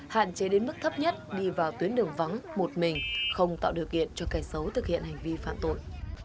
hạn chế đến mức thấp nhất đi vào tuyến đường vắng một mình không tạo điều kiện cho cây xấu thực hiện hành vi phạm tội